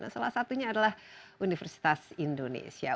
salah satunya adalah universitas indonesia